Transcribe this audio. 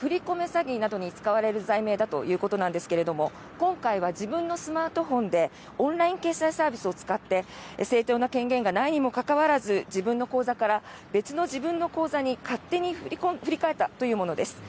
詐欺などに使われる罪名だということなんですが今回は自分のスマートフォンでオンライン決済サービスを使って正当な権限がないにもかかわらず自分の口座から別の自分の口座に勝手に振り替えたというものです。